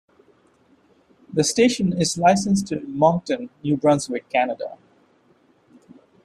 The station is licensed to Moncton, New Brunswick, Canada.